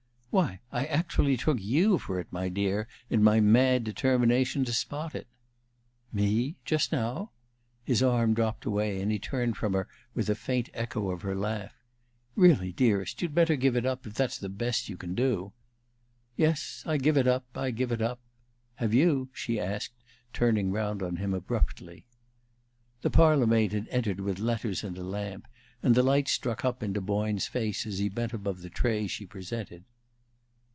"Why, I actually took you for it, my dear, in my mad determination to spot it!" "Me just now?" His arm dropped away, and he turned from her with a faint echo of her laugh. "Really, dearest, you'd better give it up, if that's the best you can do." "Yes, I give it up I give it up. Have you?" she asked, turning round on him abruptly. The parlor maid had entered with letters and a lamp, and the light struck up into Boyne's face as he bent above the tray she presented.